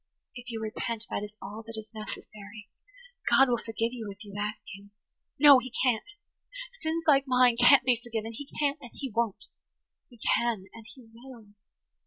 "If you repent, that is all that is necessary. God will forgive you if you ask Him." "No, He can't! Sins like mine can't be forgiven. He can't–and He won't." "He can and He will.